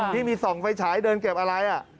ที่มีส่องไฟฉายเดินเก็บอะไร